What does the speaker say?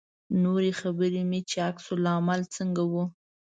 نورې خبرې مې چې عکس العمل څنګه و.